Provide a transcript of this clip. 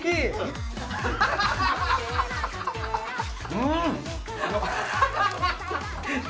うん！